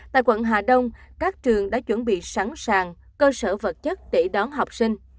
tại quận hà đông các trường đã chuẩn bị sẵn sàng cơ sở vật chất để đón học sinh